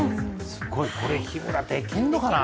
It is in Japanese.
これ日村できんのかな？